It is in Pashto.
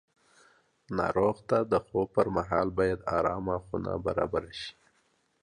ناروغ ته د خوب پر مهال باید ارامه خونه برابره شي.